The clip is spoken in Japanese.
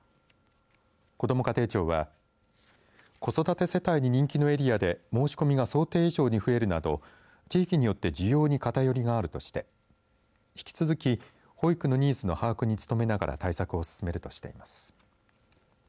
こども家庭庁は子育て世帯に人気のエリアで申し込みが想定以上に増えるなど地域によって需要に偏りがあるとして引き続き保育のニーズの把握に努めながら対策を進めるとしています。